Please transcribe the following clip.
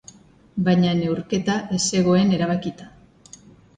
Baina neurketa ez zegoen erabakita.